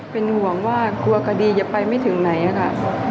เป็นห่วงว่ากลัวคดีจะไปไม่ถึงไหนค่ะ